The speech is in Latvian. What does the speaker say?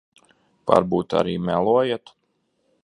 Varbūt arī melojat.